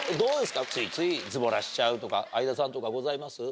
ついついズボラしちゃうとか相田さんとかございます？